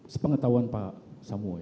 sepengetahuan pak samuel